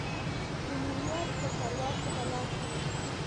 د نیویارک بل پرواز کې به لاړشې.